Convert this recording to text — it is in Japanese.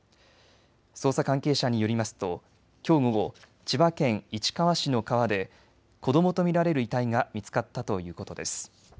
捜査関係者によりますときょう午後、千葉県市川市の川で子どもと見られる遺体が見つかったということです。